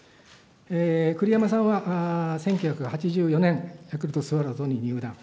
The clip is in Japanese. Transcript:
栗山さんは、１９８４年、ヤクルトスワローズに入団。